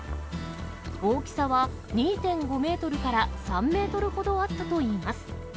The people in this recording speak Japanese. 大きさは２．５メートルから３メートルほどあったといいます。